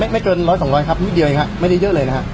ไม่เกินร้อยสองร้อยครับนิดเดียวเองครับไม่ได้เยอะเลยนะฮะ